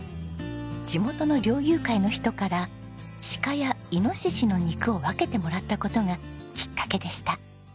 地元の猟友会の人から鹿やイノシシの肉を分けてもらった事がきっかけでした。